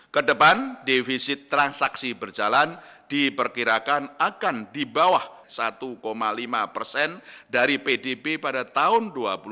kedepan defisit transaksi berjalan diperkirakan akan di bawah satu lima persen dari pdb pada tahun dua ribu dua puluh